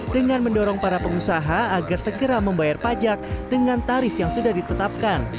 dengan mendorong para pengusaha agar segera membayar pajak dengan tarif yang sudah ditetapkan